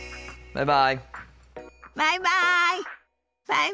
バイバイ。